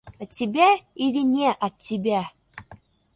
От тебя или не от тебя?